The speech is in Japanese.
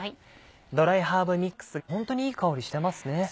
ドライハーブミックスホントにいい香りしてますね。